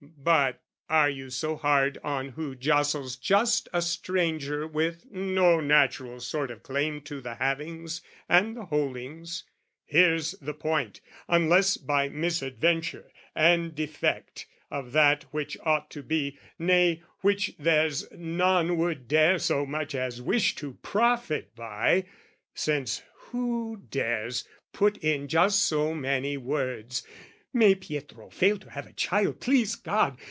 But are you so hard on who jostles just A stranger with no natural sort of claim To the havings and the holdings (here's the point) Unless by misadventure, and defect Of that which ought to be nay, which there's none Would dare so much as wish to profit by Since who dares put in just so many words "May Pietro fail to have a child, please God!